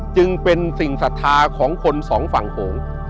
จึงเป็นสิ่งศรัทธาของคนสองฝั่งโขง